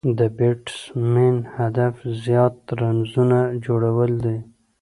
د بېټسمېن هدف زیات رنزونه جوړول دي.